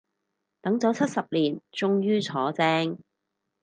等咗七十年終於坐正